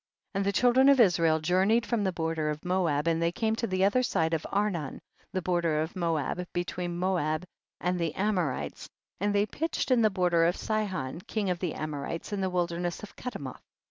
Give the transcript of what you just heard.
12. And the children of Israel journeyed from the border of Moab and they came to the other side of Anion, the border of Moab, between Moab and the Amorites, and they pitched in the border of Sihon, king of the Amorites, in the wilderness of Kedemoth.